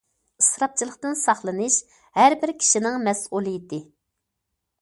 ئىسراپچىلىقتىن ساقلىنىش ھەر بىر كىشىنىڭ مەسئۇلىيىتى.